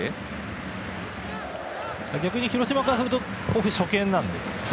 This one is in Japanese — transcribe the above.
逆に広島からすると甲府は初見なので。